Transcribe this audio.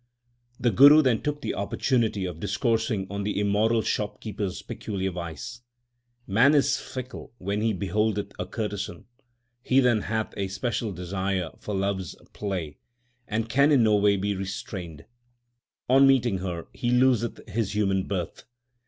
LIFE OF GURU NANAK 71 The Guru then took the opportunity of discoursing on the immoral shopkeeper s peculiar vice :* Man is fickle when he beholdeth a courtesan ; he then hath a special desire for love s play, and can in no way be restrained. On meeting her he loseth his human birth.